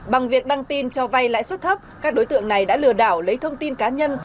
bằng việc đăng tin cho vay lãi suất thấp các đối tượng này đã lừa đảo lấy thông tin cá nhân